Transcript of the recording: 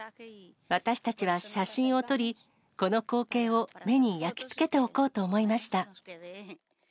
私たちは写真を撮り、この光景を目に焼き付けておこうと思いました。